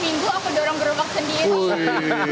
ditinggal seminggu aku dorong gerobak sendiri